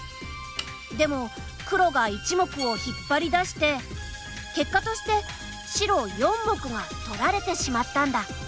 でも黒が１目を引っ張り出して結果として白４目が取られてしまったんだ。